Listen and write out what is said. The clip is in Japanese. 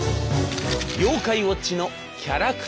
「妖怪ウォッチ」のキャラクターたち。